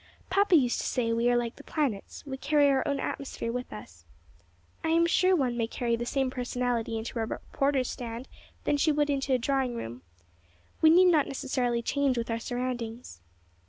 Papa used to say we are like the planets; we carry our own atmosphere with us. I am sure one may carry the same personality into a reporter's stand that she would into a drawing room. We need not necessarily change with our surroundings."